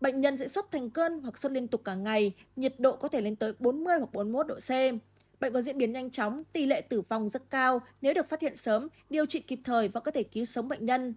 bệnh có diễn biến nhanh chóng tỷ lệ tử vong rất cao nếu được phát hiện sớm điều trị kịp thời và có thể cứu sống bệnh nhân